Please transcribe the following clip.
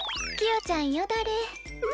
キヨちゃんよだれ。